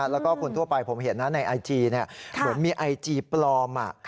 แล้วก็คนทั่วไปผมเห็นนะในไอจีเหมือนมีไอจีปลอม